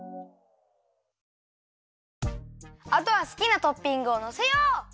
あとはすきなトッピングをのせよう！